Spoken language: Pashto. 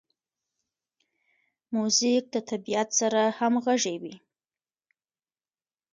موزیک د طبیعت سره همغږی وي.